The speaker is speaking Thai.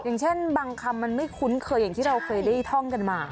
อย่างเช่นบางคำมันไม่คุ้นเคยอย่างที่เราเคยได้ท่องกันมา